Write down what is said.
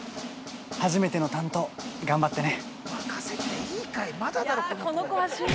初めての担当、頑張ってね。